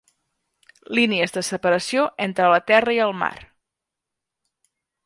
Línies de separació entre la terra i el mar.